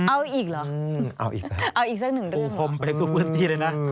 เอาอีกเหรอเอาอีกสักหนึ่งเรื่องเหรอ